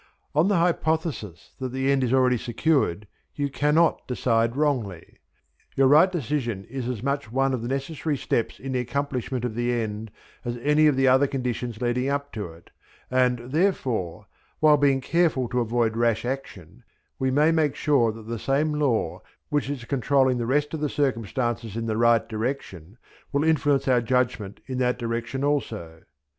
On the hypothesis that the end is already secured you cannot decide wrongly. Your right decision is as much one of the necessary steps in the accomplishment of the end as any of the other conditions leading up to it, and therefore, while being careful to avoid rash action, we may make sure that the same Law which is controlling the rest of the circumstances in the right direction will influence our judgment in that direction also.